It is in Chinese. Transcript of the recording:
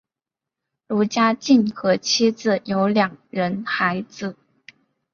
卢家进和妻子有两人孩子。